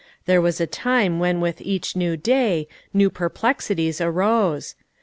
There was a time when with each new day, new perplexi ties arose.